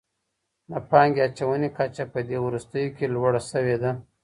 د پانګې اچونې کچه په دې وروستيو کي لوړه سوي ده.